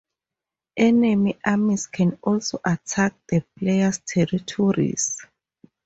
Enemy armies can also attack the player's territories.